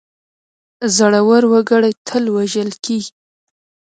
زړه ور وګړي تل وژل کېږي.